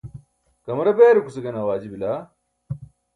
kamara beerukuce gane awaaji bila?